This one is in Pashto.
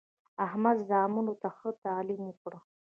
احمد زامنو ته ښه تعلیم وکړ.